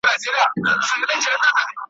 چي له غمه مي زړګی قلم قلم دی ,